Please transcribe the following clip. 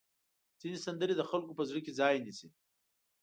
ځینې سندرې د خلکو په زړه کې ځای نیسي.